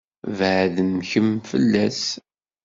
Baɛden-kem fell-as.